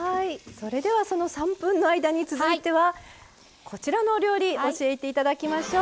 それではその３分の間に続いてはこちらのお料理教えて頂きましょう。